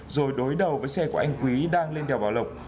rồi đối đầu với xe của anh quý đang lên đèo bảo lộc